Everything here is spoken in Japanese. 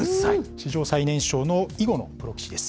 史上最年少の囲碁のプロ棋士です。